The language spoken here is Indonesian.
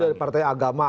dia dari partai agama